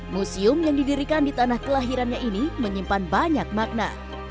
museum yang didirikan di tanah kelahirannya ini menyimpan banyak makna